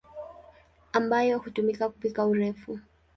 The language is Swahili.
ambayo hutumika kupika urefu.